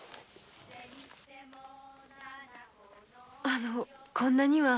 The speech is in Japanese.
あのこんなには。